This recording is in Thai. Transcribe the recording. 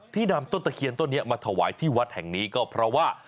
นำต้นตะเคียนต้นนี้มาถวายที่วัดแห่งนี้ก็เพราะว่า